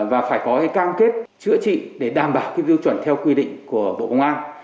và phải có cái cam kết chữa trị để đảm bảo cái dư chuẩn theo quy định của bộ công an